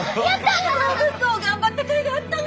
暢子頑張ったかいがあったね。